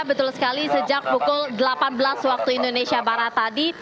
betul sekali sejak pukul delapan belas waktu indonesia barat tadi